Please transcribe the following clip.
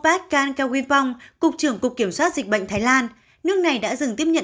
phát can kewin phong cục trưởng cục kiểm soát dịch bệnh thái lan nước này đã dừng tiếp nhận